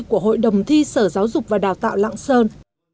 của hội đồng thi sở giáo dục và đào tạo lạng sơn